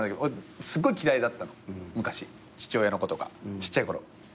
すっごい嫌いだったの昔父親のことがちっちゃいころ。